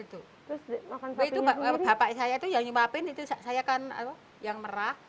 itu bapak saya itu yang nyuapin itu saya kan yang merah